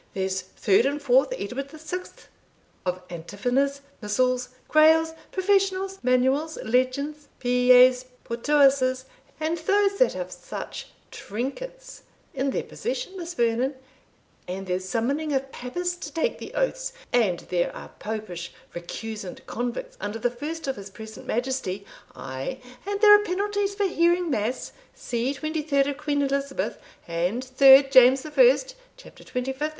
There's third and fourth Edward VI., of antiphoners, missals, grailes, professionals, manuals, legends, pies, portuasses, and those that have such trinkets in their possession, Miss Vernon and there's summoning of papists to take the oaths and there are popish recusant convicts under the first of his present Majesty ay, and there are penalties for hearing mass See twenty third of Queen Elizabeth, and third James First, chapter twenty fifth.